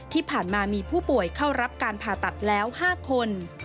ที่ผ่านมามีผู้ป่วยเข้ารับการผ่าตัดแล้ว๕คน